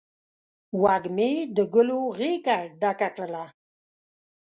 وږمې د ګلو غیږه ډکه کړله